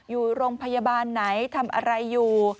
อยู่โรงพยาบาลไหนทำอะไรอยู่